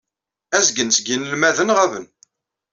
Azgen seg yinelmaden ɣaben.